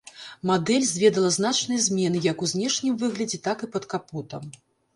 Мадэль зведала значныя змены як у знешнім выглядзе, так і пад капотам.